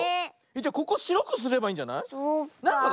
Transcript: じゃここしろくすればいいんじゃない？そっかあ。